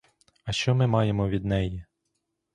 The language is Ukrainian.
А що ми маємо від неї?